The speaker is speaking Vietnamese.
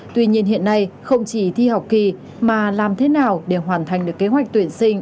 tuy nhiên hiện nay không chỉ thi học kỳ mà làm thế nào để hoàn thành được kế hoạch tuyển sinh